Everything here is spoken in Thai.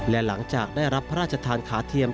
และหลังจากได้รับพระราชทานขาเทียม